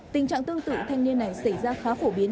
tình trạng tương tự thanh niên này xảy ra khá phổ biến